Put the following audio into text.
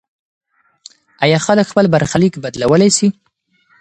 آیا خلک خپل برخلیک بدلولی سي؟